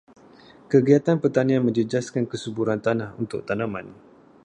Kegiatan pertanian menjejaskan kesuburan tanah untuk tanaman.